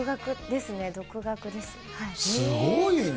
すごいね。